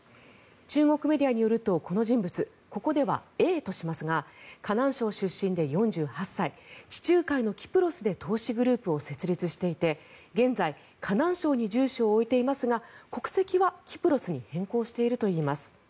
中国メディアによると、この人物ここではＡとしますが河南省出身で４８歳地中海のキプロスで投資グループを設立していて現在、河南省に住所を置いていますが国籍はキプロスに変更しているといいます。